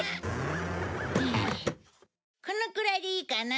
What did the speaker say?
このくらいでいいかな。